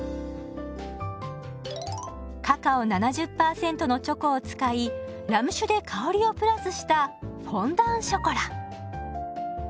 カカオ７０％のチョコを使いラム酒で香りをプラスしたフォンダンショコラ。